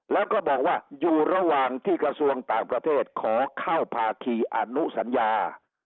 แล้วก็บอกว่าอยู่ระหว่างที่กระทรวงต่างประเทศขอเข้าภาคีอนุสัญญา